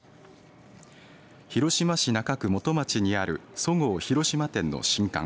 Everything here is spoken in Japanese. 広島市中区基町にあるそごう広島店の新館。